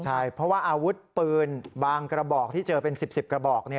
ใช่เพราะว่าอาวุธปืนบางกระบอกที่เจอเป็น๑๐กระบอก